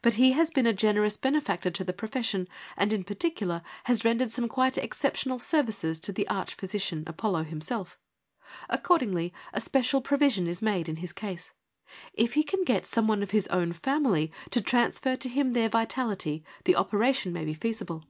But he has been a generous benefactor to the profession, and in par ticular has rendered some quite exceptional services to the arch physician, Apollo himself. Accordingly a special provision is made in his case. If he can get some one of his own family to transfer to him their vitality, the operation may be feasible.